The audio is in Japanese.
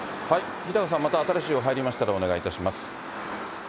日高さん、また新しい情報入りましたら、お願いいたします。